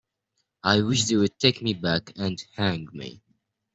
I wish they'd take me back and hang me.